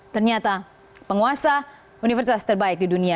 ternyata penguasa universitas terbaik di dunia